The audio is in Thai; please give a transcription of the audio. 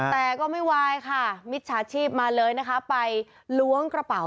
แต่ก็ไม่วายค่ะมิจฉาชีพมาเลยนะคะไปล้วงกระเป๋า